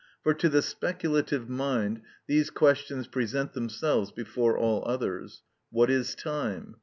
For to the speculative mind these questions present themselves before all others: what is time?